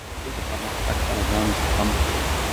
د نړۍ د پرمختګ سره ځان سم کړئ.